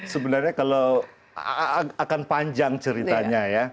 sebenarnya kalau akan panjang ceritanya ya